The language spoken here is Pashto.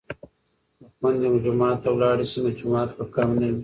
که خویندې جومات ته لاړې شي نو جماعت به کم نه وي.